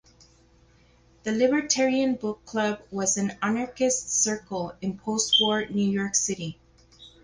The Libertarian Book Club was an anarchist circle in postwar New York City.